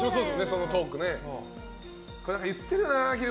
そのトーク。